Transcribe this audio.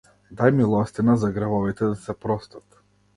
Дај милостина, за гревовите да ти се простат.